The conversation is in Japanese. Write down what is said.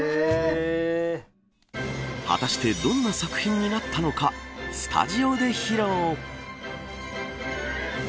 果たしてどんな作品になったのかスタジオで披露。